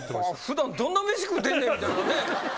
普段どんな飯食うてんねんみたいなね。